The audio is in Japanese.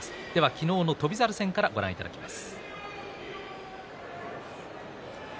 昨日の翔猿戦からご覧いただきます。